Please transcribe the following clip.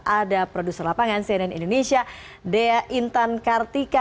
ada produser lapangan cnn indonesia dea intan kartika